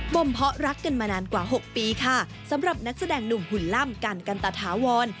มเพาะรักกันมานานกว่า๖ปีค่ะสำหรับนักแสดงหนุ่มหุ่นล่ำกันกันตะถาวร